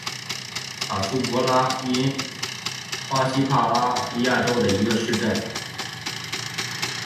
卡舒埃拉杜斯因迪奥斯是巴西帕拉伊巴州的一个市镇。